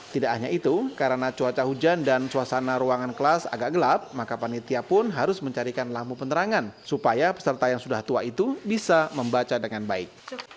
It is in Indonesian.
tidak hanya itu karena cuaca hujan dan suasana ruangan kelas agak gelap maka panitia pun harus mencarikan lampu penerangan supaya peserta yang sudah tua itu bisa membaca dengan baik